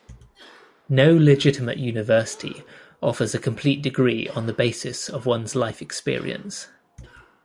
No legitimate university offers a complete degree on the basis of one's life experience.